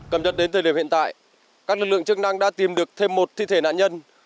cảm nhận đến thời điểm hiện tại các lực lượng chức năng đã tìm được thêm một thi thể nạn nhân